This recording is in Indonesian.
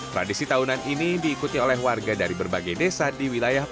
tradisi tahunan ini diikuti oleh warga dari berbagai desa di wilayah